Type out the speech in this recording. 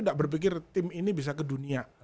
tidak berpikir tim ini bisa ke dunia